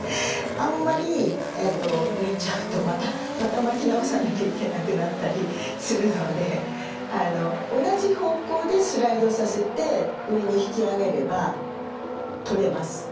あんまり抜いちゃうとまた巻き直さなきゃいけなくなったりするので同じ方向でスライドさせて上に引き上げれば取れます。